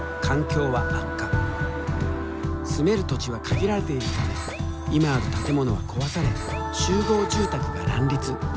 住める土地は限られているため今ある建物は壊され集合住宅が乱立。